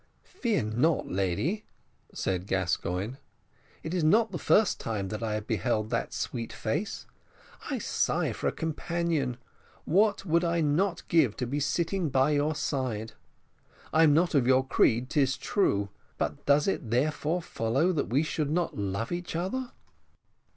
"Fear not, lady," said Gascoigne, "it is not the first time that I have beheld that sweet face. I sigh for a companion. What would I not give to be sitting by your side? I am not of your creed, 'tis true but does it therefore follow that we should not love each other?"